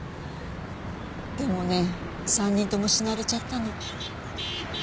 でもね３人とも死なれちゃったの。